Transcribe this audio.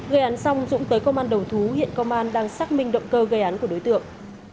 gây án xong dũng tới công an đầu thú hiện công an đang xác minh động cơ gây án của đối tượng